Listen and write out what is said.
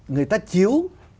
người ta chiếu